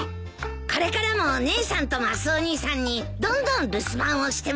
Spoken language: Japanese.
これからも姉さんとマスオ兄さんにどんどん留守番をしてもらおう。